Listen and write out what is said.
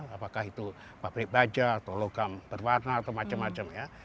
apakah itu pabrik baja atau logam berwarna atau macam macam ya